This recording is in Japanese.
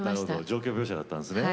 情景描写だったんですね。